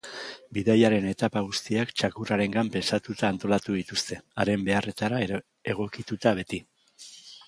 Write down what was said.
Bidaiaren etapa guztiak txakurrarengan pentsatuta antolatu dituzte, haren beharretara egokituta beti.